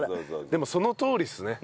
でもそのとおりっすね。